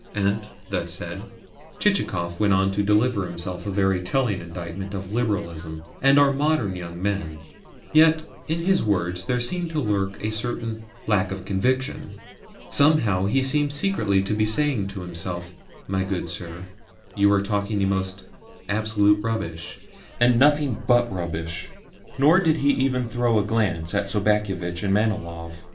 And, that said, Chichikov went on to deliver himself of a very telling indictment of Liberalism and our modern young men. Yet in his words there seemed to lurk a certain lack of conviction. Somehow he seemed secretly to be saying to himself, "My good sir, you are talking the most absolute rubbish, and nothing but rubbish." Nor did he even throw a glance at Sobakevitch and Manilov.